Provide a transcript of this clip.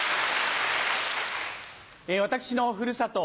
私のふるさと